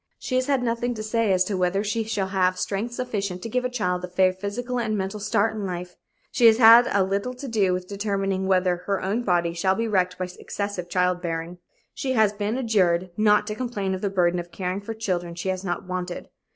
She has had nothing to say as to whether she shall have strength sufficient to give a child a fair physical and mental start in life; she has had as little to do with determining whether her own body shall be wrecked by excessive child bearing. She has been adjured not to complain of the burden of caring for children she has not wanted.